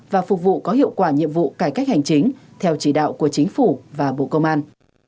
và phục vụ có hiệu quả nhiệm vụ cải cách hành chính theo chỉ đạo của chính phủ và bộ công an